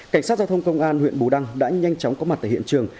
cảnh sát giao thông công an huyện bù đăng đã nhanh chóng có mặt tại hiện trường